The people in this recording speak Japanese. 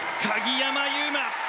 鍵山優真